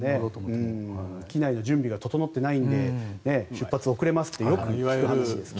機内の準備が整っていないので出発遅れますってよく言われる話ですが。